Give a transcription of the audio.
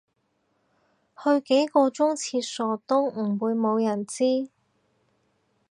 去幾個鐘廁所都唔會無人知